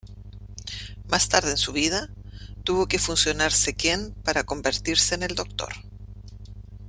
Más tarde en su vida, tuvo que fusionarse Kent para convertirse en el Dr.